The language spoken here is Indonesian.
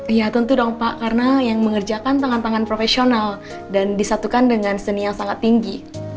iya tentu dong pak karena yang mengerjakan tangan tangan profesional dan disatukan dengan seni yang sangat tinggi